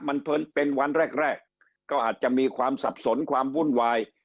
มันเป็นวันแรกแรกก็อาจจะมีความสับสนความวุ่นวาย